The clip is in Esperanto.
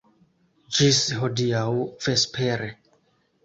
Ĝis hodiaŭ vespere!